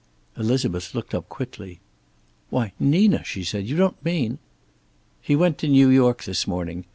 Elizabeth looked up quickly. "Why, Nina!" she said. "You don't mean " "He went to New York this morning.